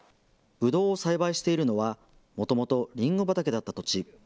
ぶどうを栽培しているのはもともと、りんご畑だった土地。